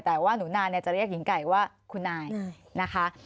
แต่ว่าหนูนานจะเรียกหญิงไก่ว่าคุณนายนะคะ